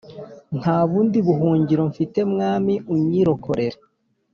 Ntabundi buhungiro mfite mwami unyirokorere